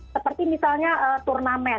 seperti misalnya turnamen